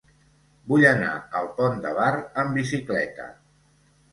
Vull anar al Pont de Bar amb bicicleta.